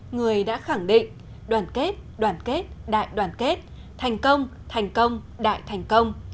người đã khẳng định đoàn kết đoàn kết đại đoàn kết thành công thành công đại thành công